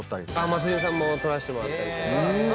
松潤さんも撮らせてもらったり。